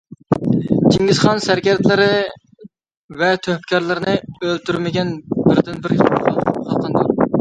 چىڭگىزخان سەركەردىلىرى ۋە تۆھپىكارلىرىنى ئۆلتۈرمىگەن بىردىنبىر خاقاندۇر.